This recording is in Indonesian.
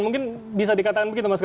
mungkin bisa dikatakan begitu